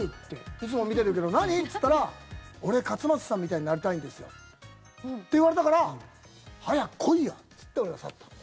いつも見てるけど何？って言ったら俺、勝俣さんみたいになりたいんですよって言われたから早く来いよ！って言って俺が去った。